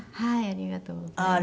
ありがとうございます。